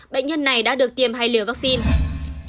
bệnh nhân này đã được tiêm hai liều vaccine